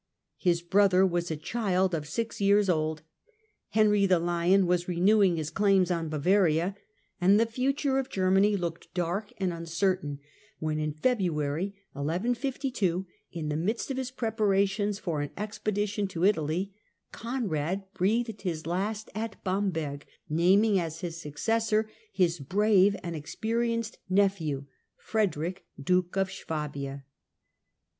His brother was a child of six years old, Henry the Lion was renewing his claims on Bavaria, and the future of Germany looked dark and uncertain, when in February 1152, in the midst of his preparations for an expedition to Italy, Conrad breathed his last at Bamberg, naming as his successor his brave and experienced nephew, Frederick, Duke of Swabia.